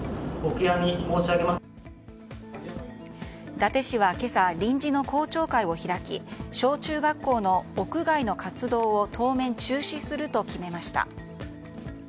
伊達市は今朝臨時の校長会を開き小中学校の屋外の活動を当面、中止すると決めました。